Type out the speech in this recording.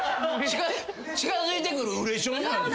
近づいてくるうれしょん。